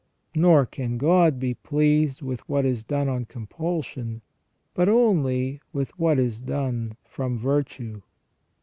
Nor can God be pleased with what is done on compulsion, but only with what is done from virtue.